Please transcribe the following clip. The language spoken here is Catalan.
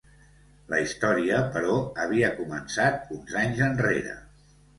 La història, però, havia començat uns anys enrere.